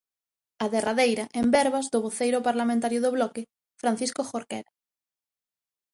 A 'derradeira' en verbas do voceiro parlamentario do Bloque, Francisco Jorquera.